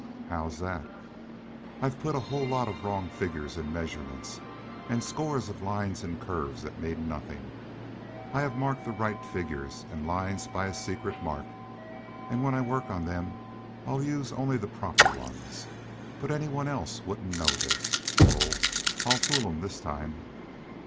"How's that?" "I've put in a whole lot of wrong figures and measurements, and scores of lines and curves that mean nothing. I have marked the right figures and lines by a secret mark, and when I work on them I'll use only the proper ones. But any one else wouldn't know this. Oh, I'll fool 'em this time!"